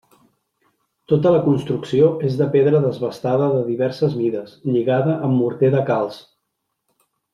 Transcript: Tota la construcció és de pedra desbastada de diverses mides, lligada amb morter de calç.